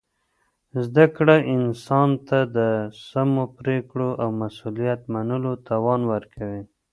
زده کړه انسان ته د سمو پرېکړو او مسؤلیت منلو توان ورکوي.